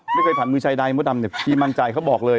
ไม่เคยผ่านมือชายใดมดดำเนี่ยพี่มั่นใจเขาบอกเลย